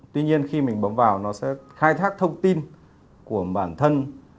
tuy nhiên khi mình bấm vào nó sẽ khai thác thông tin của bản thân